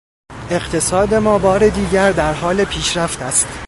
اقتصاد ما بار دیگر در حال پیشرفت است.